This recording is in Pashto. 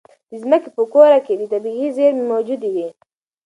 د ځمکې په کوره کې طبیعي زېرمې موجودې وي.